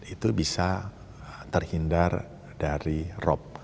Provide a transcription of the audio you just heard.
itu bisa terhindar dari rop